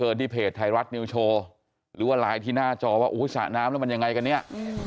ที่เพจไทยรัฐนิวโชว์หรือว่าไลน์ที่หน้าจอว่าอุ้ยสระน้ำแล้วมันยังไงกันเนี่ย